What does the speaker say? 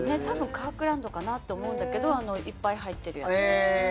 たぶんカークランドかなと思うんだけどいっぱい入ってるやつ。